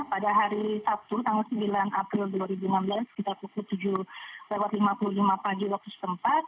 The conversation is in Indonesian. pada hari sabtu tanggal sembilan april dua ribu enam belas sekitar pukul tujuh lewat lima puluh lima pagi waktu setempat